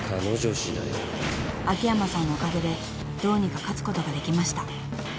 ［秋山さんのおかげでどうにか勝つことができました］